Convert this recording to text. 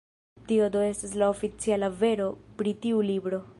Tio do estas la oficiala vero pri tiu libro.